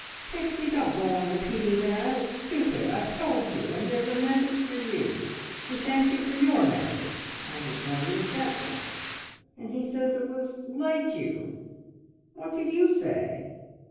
"Pixie, don't go on repeating that! It's stupid. I've told you! And there's a message for you. He thanks you for your message, (I didn't know you had sent one!) and says it was `like you.' What did you say?"